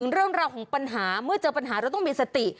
เรื่องราวของปัญหาเมื่อเจอปัญหาเราต้องมีสติ